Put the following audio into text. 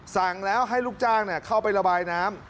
สั่งแล้วให้ลูกจ้างเข้าไประบายน้ำ